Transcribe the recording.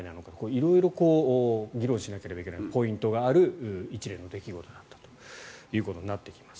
色々議論しなきゃいけないポイントがある一連の出来事だったということになってきます。